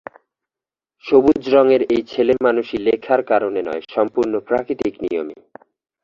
সবুজ রঙের এই ছেলেমানুষি লেখার কারণে নয়, সম্পূর্ণ প্রাকৃতিক নিয়মে।